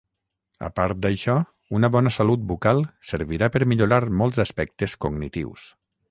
A part d'això, una bona salut bucal servirà per millorar molts aspectes cognitius.